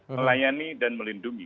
melayani dan melindungi